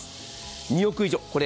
２億以上。